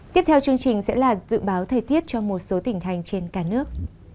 tiếp theo chương trình sẽ là dự báo thời tiết cho một số tỉnh thành trên cả nước